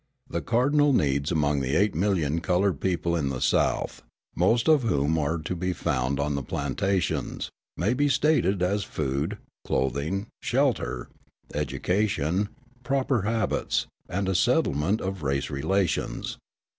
The cardinal needs among the eight million coloured people in the South, most of whom are to be found on the plantations, may be stated as food, clothing, shelter, education, proper habits, and a settlement of race relations.